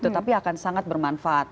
tetapi akan sangat bermanfaat